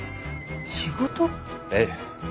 ええ。